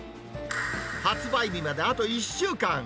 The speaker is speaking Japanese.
発売日まであと１週間。